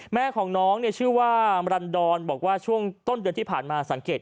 แม่ของน้องเนี่ยชื่อว่ามรันดรบอกว่าช่วงต้นเดือนที่ผ่านมาสังเกต